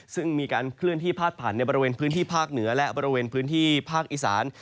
ซึ่งมีการเคลื่อนที่พาดผ่านในบริเวณพื้นที่ภาคเหนือและบริเวณพื้นที่ภาคอีสาน